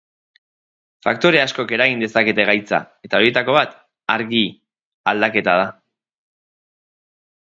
Faktore askok eragin dezakete gaitza, eta horietako bat argi-aldaketa da.